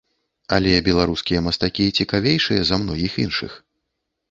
Але беларускія мастакі цікавейшыя за многіх іншых.